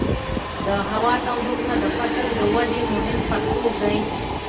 د هوا تودوخه د فصل د ودې مهم فکتور دی.